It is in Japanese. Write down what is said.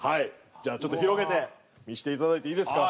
じゃあちょっと広げて見せていただいていいですか？